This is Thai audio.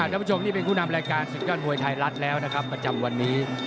ักดีต่อคนที่เป็นคู่น้ำรายการสุดยอดมวยไทยรัฐแล้วนะครับประจำวันนี้